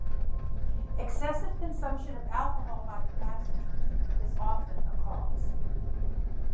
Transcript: Excessive consumption of alcohol by the passengers is often a cause.